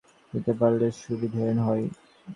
এখন, আরেকটা জাহাজের খবর দিতে পারলে সুবিধে হয়।